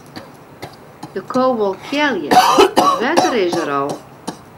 De ko wol kealje, it wetter is der al.